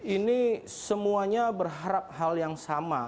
ini semuanya berharap hal yang sama